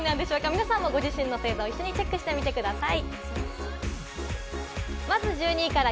皆様ご自身の星座を一緒にチェックしてみてください。